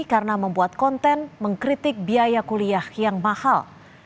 karena membuat konten mengkritik biaya kuliah yang mahal